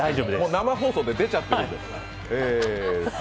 生放送で出ちゃってるので。